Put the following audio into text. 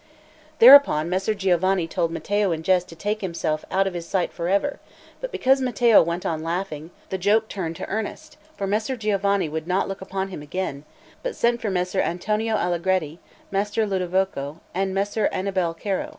Thereupon Messer Giovanni told Mattio in jest to take himself out of his sight for ever; but because Mattio went on laughing, the joke turned to earnest, for Messer Giovanni would not look upon him again, but sent for Messer Antonio Allegretti, Messer Ludovico, and Messer Annibal Caro.